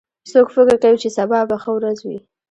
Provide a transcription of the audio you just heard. څوک فکر کوي چې سبا به ښه ورځ وي